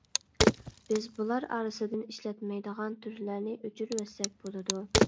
بىز بۇلار ئارىسىدىن ئىشلەتمەيدىغان تۈرلەرنى ئۆچۈرۈۋەتسەك بولىدۇ.